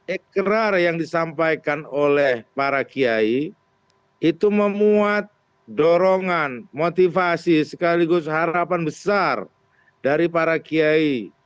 ikrar yang disampaikan oleh para kiai itu memuat dorongan motivasi sekaligus harapan besar dari para kiai